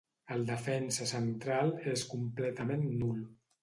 El defensa central és completament nul.